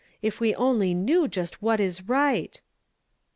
If we only knew just what is right!